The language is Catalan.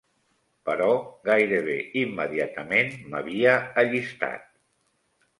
Però gairebé immediatament m'havia allistat